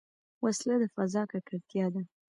وسله د فضا ککړتیا ده